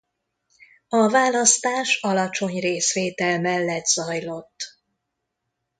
A választás alacsony részvétel mellett zajlott.